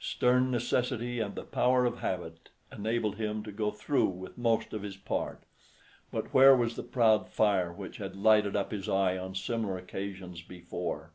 Stern necessity and the power of habit enabled him to go through with most of his part, but where was the proud fire which had lighted up his eye on similar occasions before?